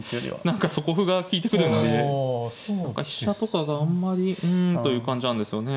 何か底歩が利いてくるので何か飛車とかがあんまりうんという感じなんですよね。